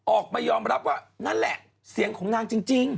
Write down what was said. ออกมายอมรับว่านั่นแหละเสียงของนางจริง